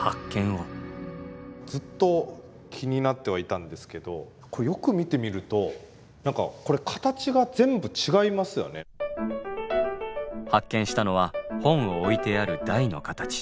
ずっと気になってはいたんですけどこれよく見てみると何か発見したのは本を置いてある台の形。